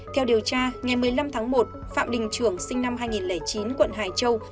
theo điều tra ngày một mươi năm tháng một phạm đình trưởng sinh năm hai nghìn chín quận hải châu